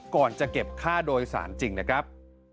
ก่อนจะเก็บค่าโดยสารจริงนะครับ